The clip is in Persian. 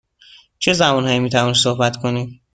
چه زبان هایی می توانید صحبت کنید؟